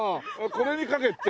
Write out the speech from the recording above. これに書けって？